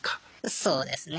そうですね。